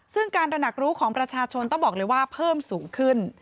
ซึ่งการตระหนักรู้ของประชาชนต้องบอกเลยว่าเพิ่มสูงขึ้น